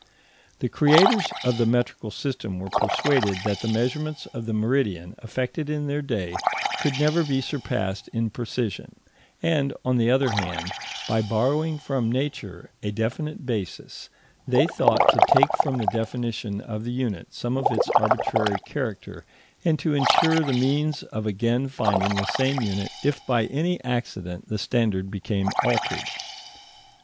The creators of the metrical system were persuaded that the measurements of the meridian effected in their day could never be surpassed in precision; and on the other hand, by borrowing from nature a definite basis, they thought to take from the definition of the unit some of its arbitrary character, and to ensure the means of again finding the same unit if by any accident the standard became altered.